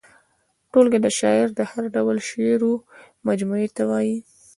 ټولګه د شاعر د هر ډول شعرو مجموعې ته وايي.